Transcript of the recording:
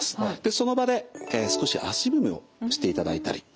その場で少し足踏みをしていただいたり。